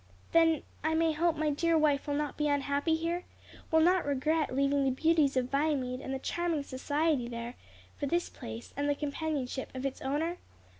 "Then I may hope my dear wife will not be unhappy here? will not regret leaving the beauties of Viamede and the charming society there for this place and the companionship of its owner?